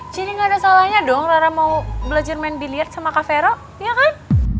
jadi gak ada salahnya dong rara mau belajar main bilir sama kak vero iya kan